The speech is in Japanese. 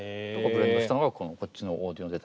ブレンドしたのがこっちのオーディオデータになります。